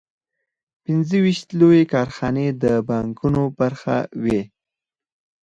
پنځه ویشت لویې کارخانې د بانکونو برخه وې